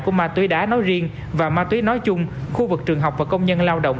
của ma túy đá nói riêng và ma túy nói chung khu vực trường học và công nhân lao động